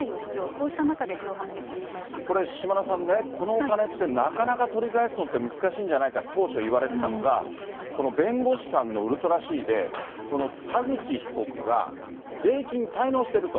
そうした中できょう、これ、島田さんね、このお金ってなかなか取り返すのって難しいんじゃないかと、当初言われてたのが、この弁護士さんのウルトラＣで、田口被告が税金滞納してると。